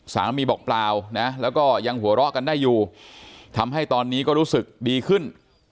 บอกเปล่านะแล้วก็ยังหัวเราะกันได้อยู่ทำให้ตอนนี้ก็รู้สึกดีขึ้น